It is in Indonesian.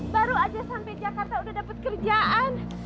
baru aja sampai jakarta udah dapat kerjaan